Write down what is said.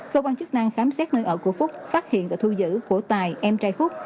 cơ quan chức năng khám xét nơi ở của phúc phát hiện và thu giữ của tài em trai phúc